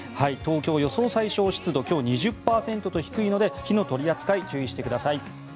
東京、予想最小湿度今日２０％と低いので火の取り扱いに注意してください。